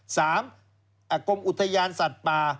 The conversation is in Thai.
สามอากรมอุทยานสัตว์ป่า